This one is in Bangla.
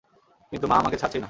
কিন্তু, মা আমাকে ছাড়ছেই না!